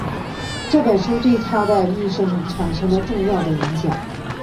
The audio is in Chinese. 这本书对他的一生产生了重要影响。